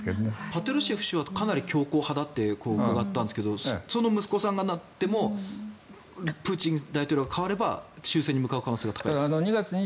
パトルシェフ氏はかなり強硬派だと伺ったんですがその息子さんがなってもプーチン大統領が代われば終戦に向かう可能性が高いですか。